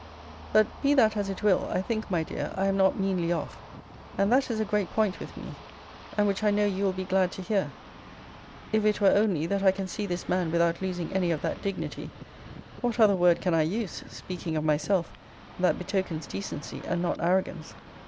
But, be that as it will, I think, my dear, I am not meanly off: and that is a great point with me; and which I know you will be glad to hear: if it were only, that I can see this man without losing any of that dignity [What other word can I use, speaking of myself, that betokens decency, and not arrogance?